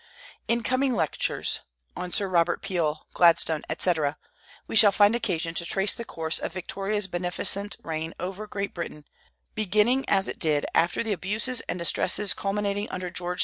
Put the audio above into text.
In coming lectures, on Sir Robert Peel, Gladstone, etc., we shall find occasion to trace the course of Victoria's beneficent reign over Great Britain, beginning (as it did) after the abuses and distresses culminating under George IV.